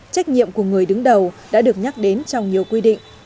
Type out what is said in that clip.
trách nhiệm của người đứng đầu đã được nhắc đến trong nhiều quy định